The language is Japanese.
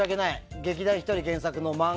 劇団ひとり原作の漫画。